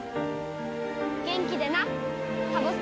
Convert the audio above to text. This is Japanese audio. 元気でなサボ助。